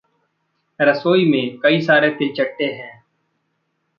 रसोई में कई सारे तिलचट्टे हैं।